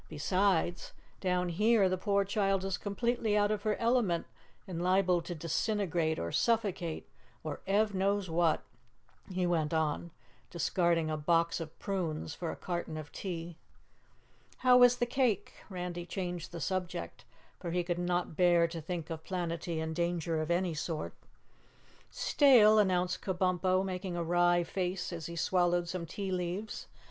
"Besides, down here the poor child is completely out of her element and liable to disintegrate or suffocate or Ev knows what " he went on, discarding a box of prunes for a carton of tea. "How was the cake?" Randy changed the subject, for he could not bear to think of Planetty in danger of any sort. "Stale," announced Kabumpo, making a wry face as he swallowed some tea leaves.